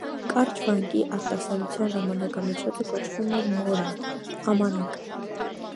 Կարճ վանկի արտասանության ժամանակամիջոցը կոչվում էր մորա (ամանակ)։